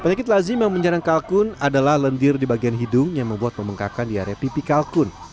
penyakit lazim yang menyerang kalkun adalah lendir di bagian hidung yang membuat membengkakan di area pipi kalkun